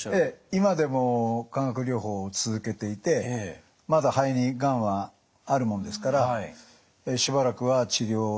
今でも化学療法を続けていてまだ肺にがんはあるもんですからしばらくは治療を。